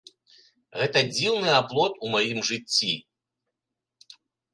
Гэта дзіўны аплот у маім жыцці!